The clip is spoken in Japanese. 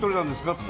って。